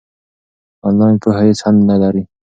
آنلاین پوهه هیڅ حد نلري.